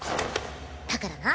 だからな。